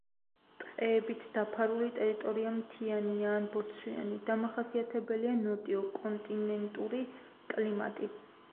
ტყეებით დაფარული ტერიტორია მთიანია ან ბორცვიანი, დამახასიათებელია ნოტიო, კონტინენტური კლიმატი.